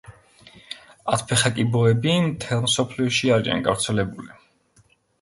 ათფეხა კიბოები მთელ მსოფლიოში არიან გავრცელებული.